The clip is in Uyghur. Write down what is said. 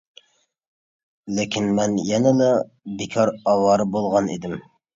لېكىن مەن يەنىلا بىكار ئاۋارە بولغان ئىدىم.